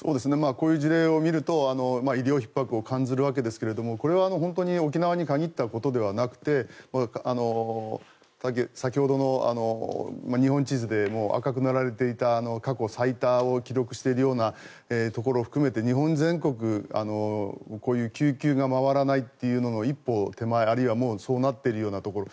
こういう事例を見ると医療ひっ迫を感じるわけですがこれは本当に沖縄に限ったことではなくて先ほどの日本地図でも赤く塗られていた過去最多を記録しているようなところを含めて日本全国こういう救急が回らないというのの一歩手前あるいはもうそうなっているところ。